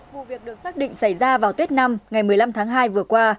vụ việc được xác định xảy ra vào tết năm ngày một mươi năm tháng hai vừa qua